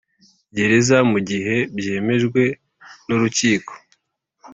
Gereza mu gihe byemejwe n urukiko